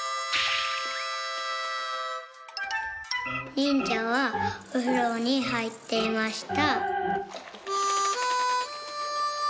「にんじゃはおふろにはいっていました」。